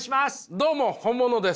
どうも本物です！